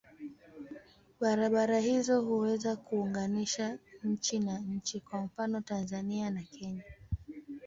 Barabara hizo huweza kuunganisha nchi na nchi, kwa mfano Tanzania na Kenya.